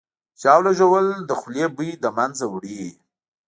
ژاوله ژوول د خولې بوی له منځه وړي.